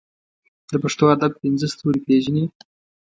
د پښتو ادب پنځه ستوري پېژنې.